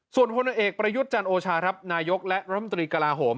ส่วนพ่อเนื้อเอกประยุทธ์จันทร์โอชานายกและรัฐมนตรีกลาโหม